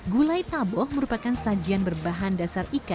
gulai taboh merupakan sajian berbahan dasar ikan